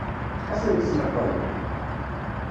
Ad tent-tleqqem?